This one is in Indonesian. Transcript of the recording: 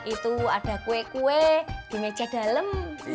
itu ada kue kue di meja dalam